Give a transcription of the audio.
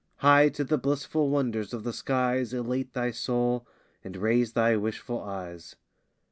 High to the blissful wonders of the skies Elate thy soul, and raise thy wishful eyes.